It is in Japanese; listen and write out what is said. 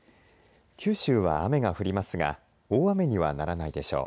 九州は雨が降りますが大雨にはならないでしょう。